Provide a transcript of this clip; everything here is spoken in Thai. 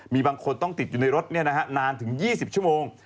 มีบางคนต้องติดอยู่ในรถนานถึง๒๐ชั่วโมง